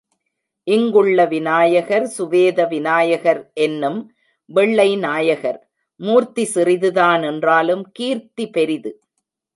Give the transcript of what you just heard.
இங்குள்ள விநாயகர் சுவேத விநாயகர் என்னும் வெள்ளை நாயகர், மூர்த்தி சிறிதுதான் என்றாலும் கீர்த்தி பெரிது.